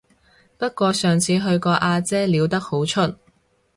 不過上次去個阿姐撩得好出